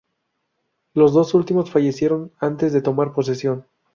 Los dos últimos fallecieron antes de tomar posesión.